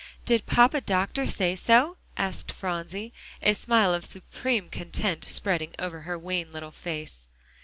"Did Papa Doctor say so?" asked Phronsie, a smile of supreme content spreading over her wan little face.